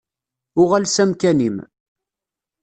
Uɣal s amkan-im.